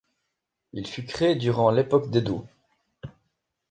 Il fut créé durant l'époque d'Edo.